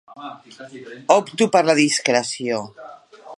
Opto per la discreció.